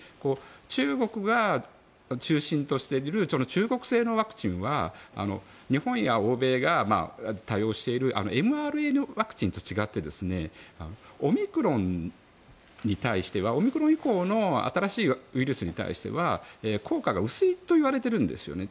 中国が中心としている中国製のワクチンは日本や欧米が多用しているｍＲＮＡワクチンと違ってオミクロンに対してはオミクロン以降の新しいウイルスに対しては効果が薄いといわれているんですよね。